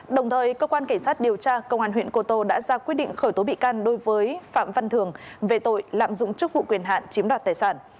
đồng thời cơ quan cảnh sát điều tra công an huyện cô tô đã ra quyết định khởi tố bị can đối với phạm văn thường về tội lạm dụng chức vụ quyền hạn chiếm đoạt tài sản